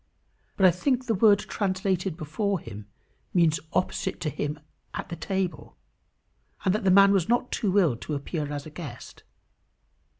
But I think the word translated before him means opposite to him at the table; and that the man was not too ill to appear as a guest.